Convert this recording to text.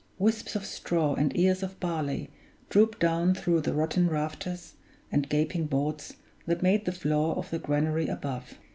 Wisps of straw and ears of barley drooped down through the rotten rafters and gaping boards that made the floor of the granary above.